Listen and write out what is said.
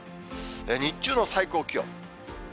日中の最高気温。